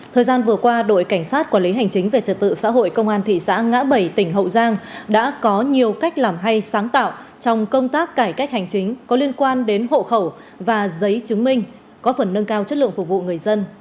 thời gian vừa qua đội cảnh sát quản lý hành chính về trật tự xã hội công an thị xã ngã bảy tỉnh hậu giang đã có nhiều cách làm hay sáng tạo trong công tác cải cách hành chính có liên quan đến hộ khẩu và giấy chứng minh có phần nâng cao chất lượng phục vụ người dân